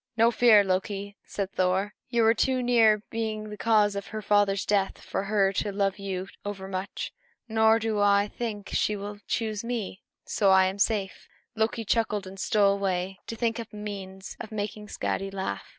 "No fear of that, Loki," said Thor; "you were too near being the cause of her father's death for her to love you overmuch. Nor do I think that she will choose me; so I am safe." Loki chuckled and stole away to think up a means of making Skadi laugh.